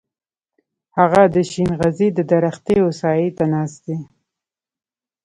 هغه د شينغزي د درختې و سايه ته ناست دی.